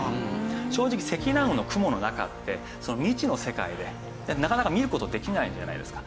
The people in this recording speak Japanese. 正直積乱雲の雲の中って未知の世界でなかなか見る事できないじゃないですか。